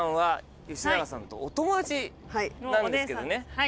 はい。